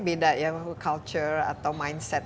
beda ya culture atau mindset